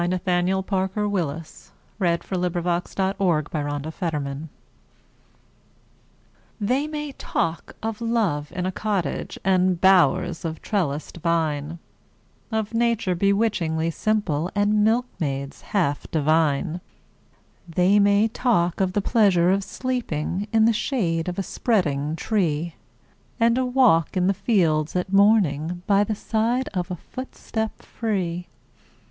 Nathaniel Parker Willis Love in a Cottage THEY may talk of love in a cottage And bowers of trellised vine Of nature bewitchingly simple, And milkmaids half divine; They may talk of the pleasure of sleeping In the shade of a spreading tree, And a walk in the fields at morning, By the side of a footstep free!